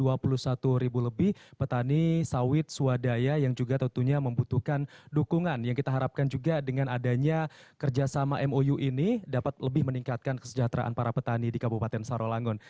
dilengarkan oleh keahlian jumlah kota atau kota yang lebih dari lima puluh ribu lebih petani sawit swadaya yang juga tentunya membutuhkan dukungan yang kita harapkan juga dengan adanya kerjasama mou ini dapat lebih meningkatkan kesejahteraan para petani di kabupaten sarawangun